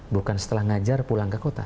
bukan setelah ngajar pulang ke kota